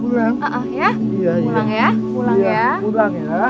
pulang ya raja